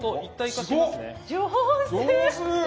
上手！